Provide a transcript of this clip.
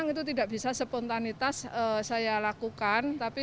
untuk menulis penjelasan dan kontroversi apa yang dzahir zahir ingin tahu dan mengetahui